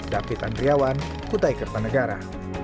david andriawan kutai kertanegara